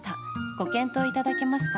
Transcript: ご検討いただけますか？